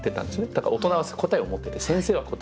だから大人は答えを持ってて先生は答えを持ってて。